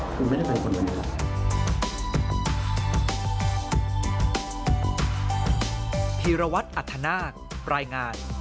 คุณไม่ได้เป็นคนเหมือนกัน